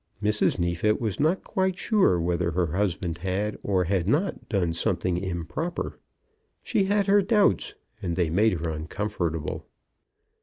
Mrs. Neefit was not quite sure whether her husband had or had not done something improper. She had her doubts, and they made her uncomfortable.